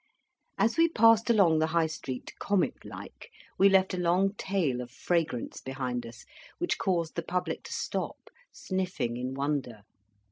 As we passed along the High Street, comet like, we left a long tail of fragrance behind us which caused the public to stop, sniffing in wonder.